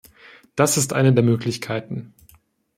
Das ist eine der Möglichkeiten.